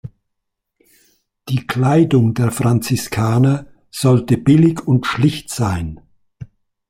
Die Kleidung der Franziskaner „sollte billig und schlicht sein.